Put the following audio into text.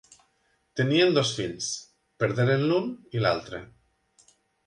Tenien dos fills: perderen l'un i l'altre.